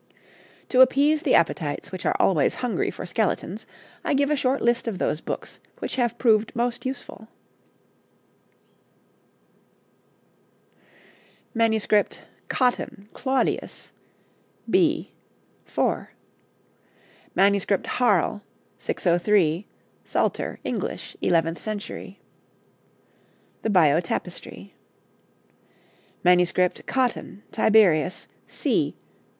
To appease the appetites which are always hungry for skeletons, I give a short list of those books which have proved most useful: MS. Cotton, Claudius, B. iv. MS. Harl., 603. Psalter, English, eleventh century. The Bayeaux Tapestry. MS. Cotton, Tiberius, C.